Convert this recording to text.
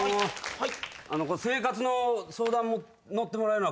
はい。